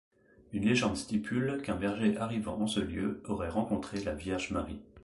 Une légende stipule qu'un berger arrivant en ce lieu aurait rencontré la Vierge Marie.